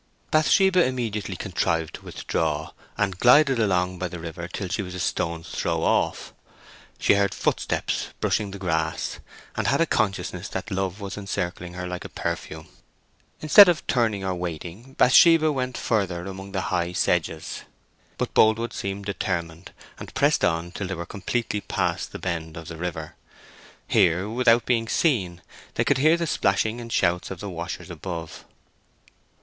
Bathsheba immediately contrived to withdraw, and glided along by the river till she was a stone's throw off. She heard footsteps brushing the grass, and had a consciousness that love was encircling her like a perfume. Instead of turning or waiting, Bathsheba went further among the high sedges, but Boldwood seemed determined, and pressed on till they were completely past the bend of the river. Here, without being seen, they could hear the splashing and shouts of the washers above.